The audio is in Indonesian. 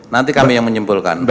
nanti kami yang menyimpulkan